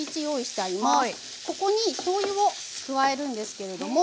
ここにしょうゆを加えるんですけれども。